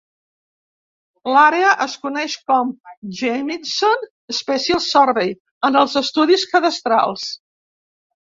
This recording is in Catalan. L'àrea es coneix com "Jamieson's Special Survey" en els estudis cadastrals.